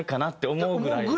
思うぐらいの。